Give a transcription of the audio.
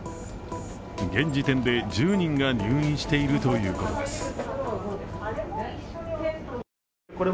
現時点で１０人が入院しているということです。